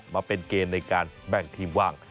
มาเป็นเกณฑ์ในการแบ่งทีมว่าง